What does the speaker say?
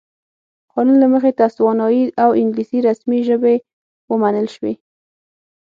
قانون له مخې تسوانایي او انګلیسي رسمي ژبې ومنل شوې.